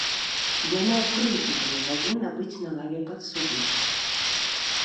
Яна ў прынцыпе не павінна быць на лаве падсудных.